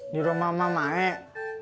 di rumah mama maek